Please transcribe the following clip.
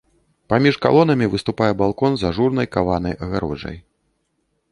Паміж калонамі выступае балкон з ажурнай каванай агароджай.